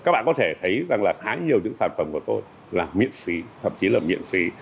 các bạn có thể thấy rằng là khá nhiều những sản phẩm của tôi là miễn phí thậm chí là miễn phí